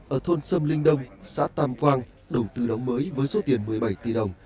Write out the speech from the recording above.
ở thôn sâm linh đông xã tam quang đầu tư đóng mới với số tiền một mươi bảy tỷ đồng